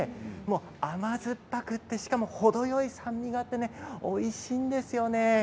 甘酸っぱくて、しかも程よい酸味があっておいしいんですよね。